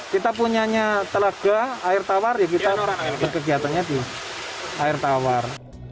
kita punya telaga air tawar kita melakukan kegiatannya di air tawar